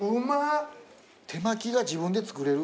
手巻きが自分で作れる。